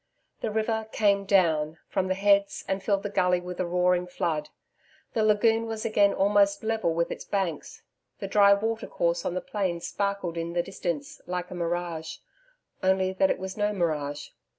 The river 'came down' from the heads and filled the gully with a roaring flood. The lagoon was again almost level with its banks. The dry water course on the plain sparkled in the distance, like a mirage only that it was no mirage.